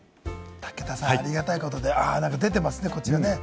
武田さん、ありがたいことに、出てますね、こちら。